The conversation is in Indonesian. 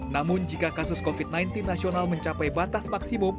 namun jika kasus covid sembilan belas nasional mencapai batas maksimum